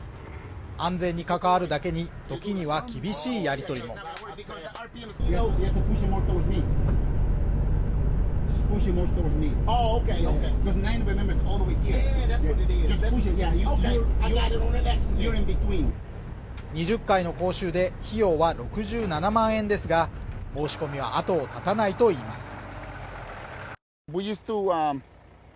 安全に関わるだけに時には厳しいやり取りも２０回の講習で費用は６７万円ですが申し込みはあとを絶たないといいます